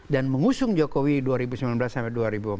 dan mengusung jokowi dua ribu sembilan belas sampai dua ribu empat